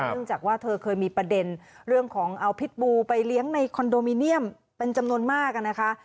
จากว่าเธอเคยมีประเด็นเรื่องของเอาพิษบูไปเลี้ยงในคอนโดมิเนียมเป็นจำนวนมากนะคะ